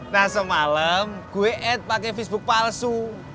nah semalam gue ad pake facebook palsu